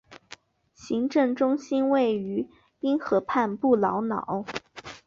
行政中心位于因河畔布劳瑙。